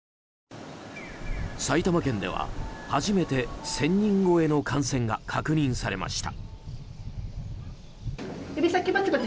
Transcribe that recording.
埼玉県では、初めて１０００人超えの感染が確認されました。